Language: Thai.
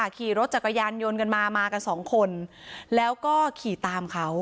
ขี่รถจักรยานยนต์กันมามากันสองคนแล้วก็ขี่ตามเขา